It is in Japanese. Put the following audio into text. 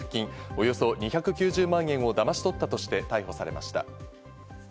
およそ２９０万円をだまし取ったとして逮捕されました。